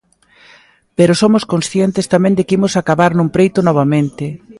Pero somos conscientes tamén de que imos acabar nun preito novamente.